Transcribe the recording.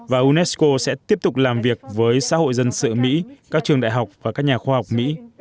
và unesco sẽ tiếp tục làm việc với xã hội dân sự mỹ các trường đại học và các nhà khoa học mỹ